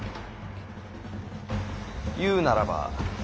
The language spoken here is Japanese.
言うならば。